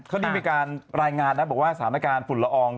เขาได้มีการรายงานนะบอกว่าสถานการณ์ฝุ่นละออง